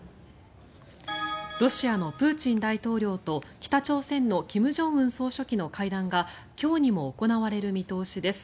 ロシアのプーチン大統領と北朝鮮の金正恩総書記の会談が今日にも行われる見通しです。